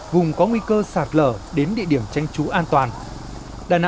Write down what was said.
vùng có nguy cơ sạt lở đến địa điểm tranh trú an toàn